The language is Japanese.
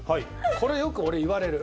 これよく俺言われる。